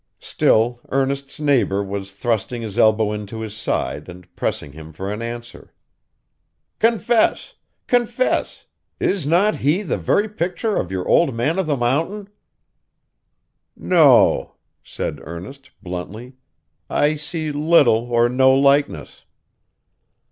Still, Ernest's neighbor was thrusting his elbow into his side, and pressing him for an answer. 'Confess! confess! Is not he the very picture of your Old Man of the Mountain?' 'No!' said Ernest, bluntly, 'I see little or no likeness.